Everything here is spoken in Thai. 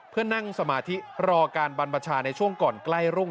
เพื่อนั่งสมาธิรอการบรรบชาในช่วงก่อนใกล้รุ่ง